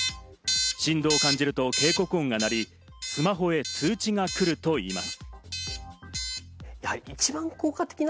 振動を感じると警告音が鳴り、スマホへ通知が来るといいます。